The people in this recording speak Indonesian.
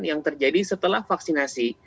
yang terjadi setelah vaksinasi